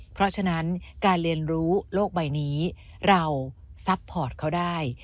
เพราะฉะนั้นการเรียนรู้โลกใบนี้เราซัพพอร์ตเขาได้